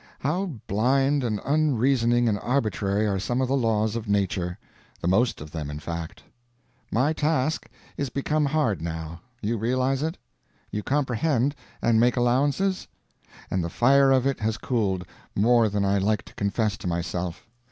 How blind and unreasoning and arbitrary are some of the laws of nature the most of them, in fact! My task is become hard now you realize it? you comprehend, and make allowances? and the fire of it has cooled, more than I like to confess to myself.